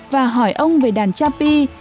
và hỏi ông về đàn cha pi